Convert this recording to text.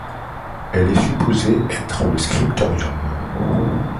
Elle est supposée être le scriptorium.